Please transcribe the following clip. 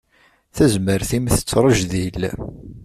Tazmert-im tettrejdil.